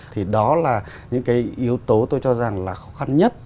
thì đó là những cái yếu tố tôi cho rằng là khó khăn nhất